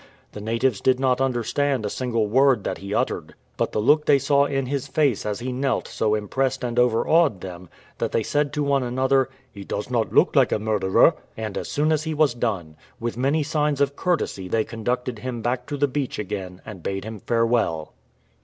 The natives did not understand a single word that he uttered, but the look they saw in his face as he knelt so impressed and overawed them that they said to one another, " He does not look like a murderer." And as soon as he was done, with many signs of courtesy they conducted him back to the beach again and bade him farewell.